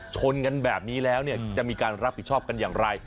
ชนกันแบบนี้แล้วเนี่ยจะมีการรับผิดชอบกันอย่างไร